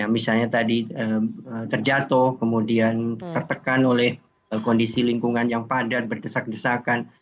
misalnya tadi terjatuh kemudian tertekan oleh kondisi lingkungan yang padat berdesak desakan